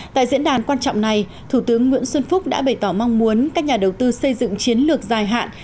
tại diễn đàn quan trọng này thủ tướng nguyễn xuân phúc đã bày tỏ mong muốn các nhà đầu tư xây dựng chiến lược dài hạn